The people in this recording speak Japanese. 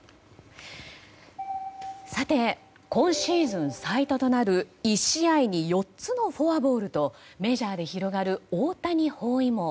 今シーズン最多となる１試合に４つのフォアボールとメジャーで広がる大谷包囲網。